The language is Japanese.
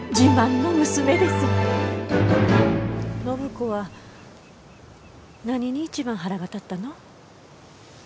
暢子は何に一番腹が立ったの？